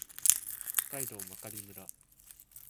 北海道真狩村